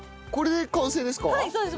これで完成ですか？